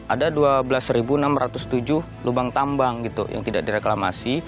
ada dua belas enam ratus tujuh lubang tambang gitu yang tidak direklamasi